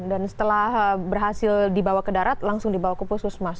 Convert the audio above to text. dan setelah berhasil dibawa ke darat langsung dibawa ke puskesmas